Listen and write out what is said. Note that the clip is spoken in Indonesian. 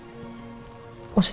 maksudnya oke mama mengerti